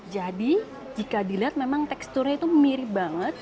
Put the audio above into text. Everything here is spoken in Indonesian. jadi jika dilihat memang teksturnya itu mirip banget